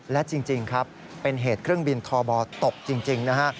และจริงครับเป็นเหตุเครื่องบินทบตกจริงนะฮะ